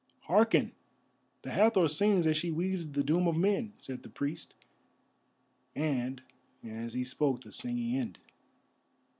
"Hearken! the Hathor sings as she weaves the doom of men," said the priest, and as he spoke the singing ended.